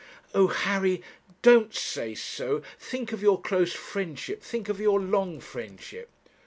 'Oh! Harry, don't say so think of your close friendship, think of your long friendship.'